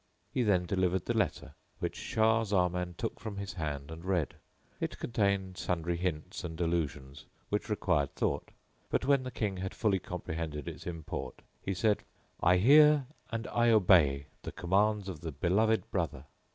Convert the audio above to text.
He then delivered the letter which Shah Zaman took from his hand and read: it contained sundry hints and allusions which required thought; but, when the King had fully comprehended its import, he said, "I hear and I obey the commands of the beloved brother!"